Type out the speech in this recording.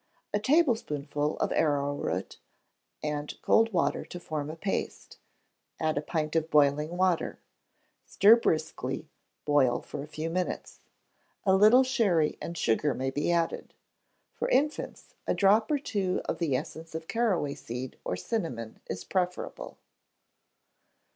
A tablespoonful of arrow root, and cold water to form a paste; add a pint of boiling water; stir briskly, boil for a few minutes. A little sherry and sugar may be added. For infants, a drop or two of the essence of caraway seed or cinnamon is preferable.